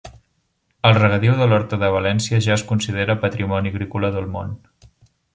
El regadiu de l'horta de València ja es considera patrimoni agrícola del món